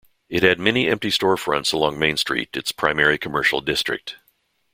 It had many empty storefronts along Main Street, its primary commercial district.